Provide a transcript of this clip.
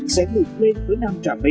sẽ được liên với nam trà my